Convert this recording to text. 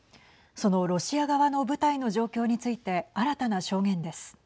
そのロシア側の部隊の状況について新たな証言です。